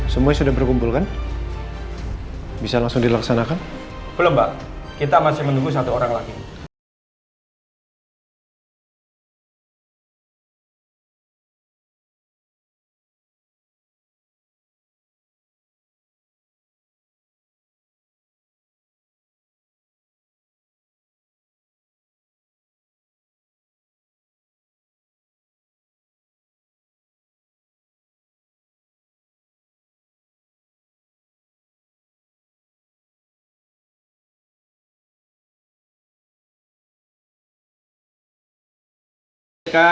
semua sudah berkumpul kan bisa langsung dilaksanakan belum mbak kita masih menunggu